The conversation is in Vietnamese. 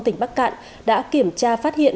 tỉnh bắc cạn đã kiểm tra phát hiện